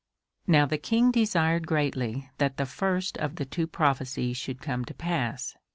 Now the King desired greatly that the first of the two prophecies should come to pass.